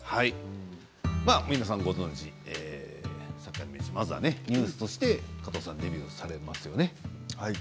皆さん、ご存じまずはＮＥＷＳとして加藤さんデビューされますよね。